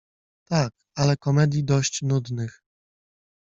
— Tak, ale komedii dość nudnych.